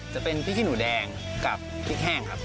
จะเป็นพริกขี้หนูแดงกับพริกแห้งครับ